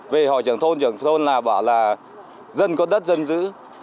về hỏi trường thôn trường thôn bảo là dân có đất dân giữ